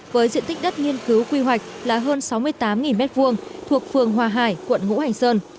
với diện tích đất nghiên cứu quy hoạch là hơn sáu mươi tám m hai thuộc phường hòa hải quận ngũ hành sơn